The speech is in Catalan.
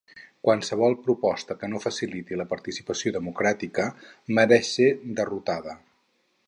Qualsevol proposta que no faciliti la participació democràtica mereix ser derrotada.